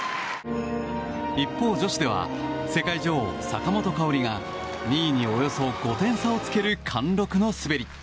一方、女子では世界女王・坂本花織が２位におよそ５点差をつける貫禄の滑り。